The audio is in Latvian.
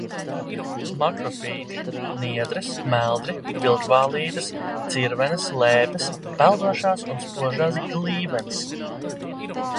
Makrofīti – niedres, meldri, vilkvālītes, cirvenes, lēpes, peldošās un spožās glīvenes.